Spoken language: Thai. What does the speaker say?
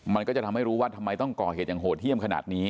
มันก็จะทำให้รู้ว่าทำไมต้องก่อเหตุอย่างโหดเยี่ยมขนาดนี้